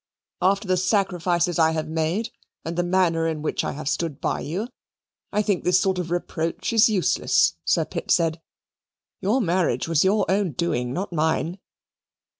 "After the sacrifices I have made, and the manner in which I have stood by you, I think this sort of reproach is useless," Sir Pitt said. "Your marriage was your own doing, not mine."